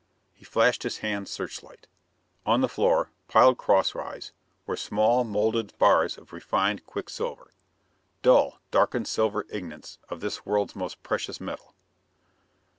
He flashed his hand searchlight. On the floor, piled crosswise, were small moulded bars of refined quicksilver dull, darkened silver ingots of this world's most precious metal.